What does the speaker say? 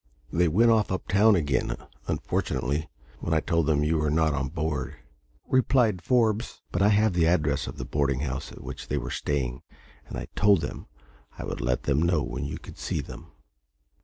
"They went off up town again, unfortunately, when I told them you were not on board," replied Forbes. "But I have the address of the boarding house at which they are staying, and I told them I would let them know when you could see them."